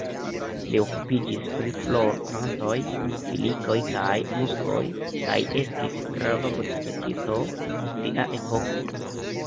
Li okupiĝis pri florplantoj, filikoj kaj muskoj kaj estis grava botanikisto de sia epoko.